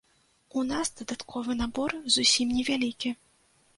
У нас дадатковы набор зусім невялікі.